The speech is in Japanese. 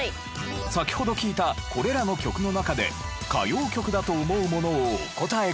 先ほど聴いたこれらの曲の中で歌謡曲だと思うものをお答えください。